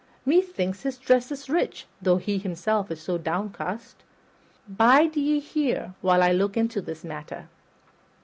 Methinks his dress is rich, though he himself is so downcast. Bide ye here till I look into this matter."